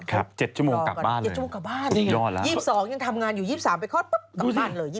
ครับ๗ชั่วโมงกลับบ้านเลย๒๒ยังทำงานอยู่๒๓ไปกลับบ้านเลย๒๔